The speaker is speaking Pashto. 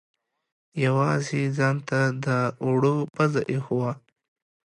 یوازې یې ځانته د اوړو پزه اېښې وه.